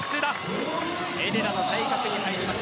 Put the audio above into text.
エレラの対角に入ります